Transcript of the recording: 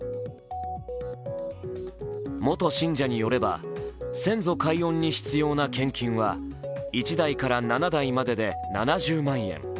元信者によれば先祖解怨に必要な献金は１代から７代までで７０万円。